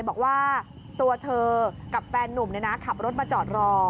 บอกว่าตัวเธอกับแฟนนุ่มขับรถมาจอดรอ